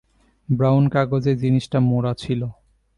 Brown কাগজে জিনিসটা মোড়া ছিল।